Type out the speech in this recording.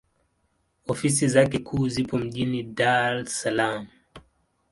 Ofisi zake kuu zipo mjini Dar es Salaam.